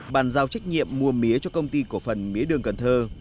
bàn giao trách nhiệm mua mía cho công ty cổ phần mía đường cần thơ